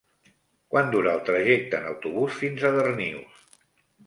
Quant dura el trajecte en autobús fins a Darnius?